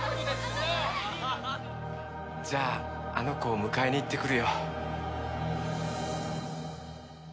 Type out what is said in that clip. じゃああの子を迎えに行ってくるよ。